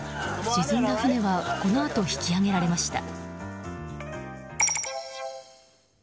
沈んだ船はこのあと引き揚げられました。